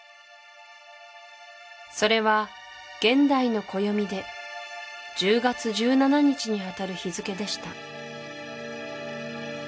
それは現代の暦で１０月１７日にあたる日付でした